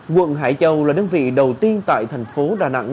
quận hải châu là đơn vị đầu tiên tại thành phố đà nẵng